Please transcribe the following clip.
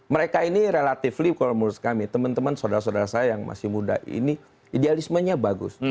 mereka ini relatively kalau menurut kami teman teman saudara saudara saya yang masih muda ini idealismenya bagus